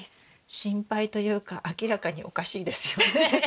心配というか明らかにおかしいですよね。